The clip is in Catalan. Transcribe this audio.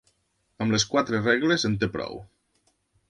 Amb les quatre regles en te prou